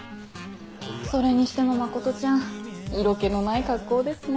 それにしても真ちゃん色気のない格好ですね。